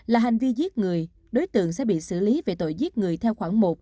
là hành vi giết người đối tượng sẽ bị xử lý về tội giết người theo khoảng một